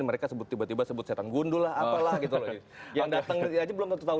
mereka sebut tiba tiba sebut setan gundul lah apalah gitu loh yang datang aja belum tentu tahu